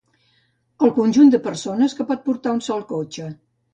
El conjunt de persones que pot portar un sol cotxe.